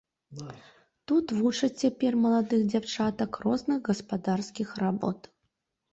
Тут вучаць цяпер маладых дзяўчатак розных гаспадарскіх работ.